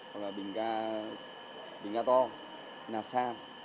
hoặc là bình ga to nạp sang